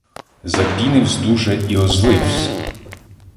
Запінивсь дуже і озливсь: